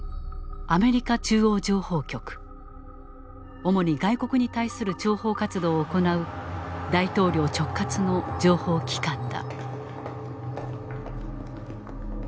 主に外国に対する「諜報活動」を行う大統領直轄の情報機関だ。